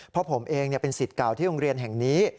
เพราะผมเองเป็นสิทธิ์เก่าที่โรงเรียนแห่งนี้